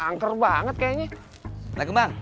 angker banget kayaknya